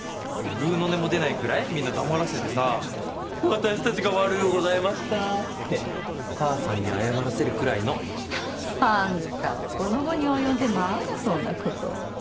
ぐうの音も出ないくらいみんな黙らせてさ「私たちが悪うございました」って母さんに謝らせるくらいの。あんたはこの期に及んでまだそんなこと。